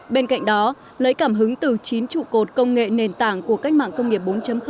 bên cạnh đó lấy cảm hứng từ chín trụ cột công nghệ nền tảng của cách mạng công nghiệp bốn